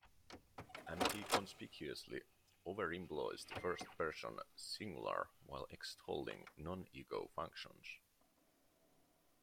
And he conspicuously overemploys the first person singular while extolling non-ego functions.